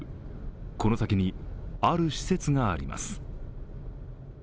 この先に、ある施設があります。